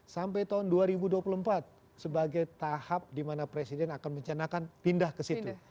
sampai tahun dua ribu dua puluh empat sebagai tahap dimana presiden akan mencanakan pindah ke situ